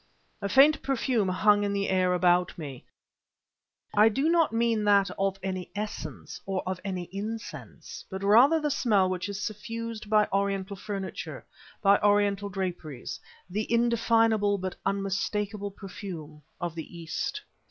A faint perfume hung in the air about me; I do not mean that of any essence or of any incense, but rather the smell which is suffused by Oriental furniture, by Oriental draperies; the indefinable but unmistakable perfume of the East.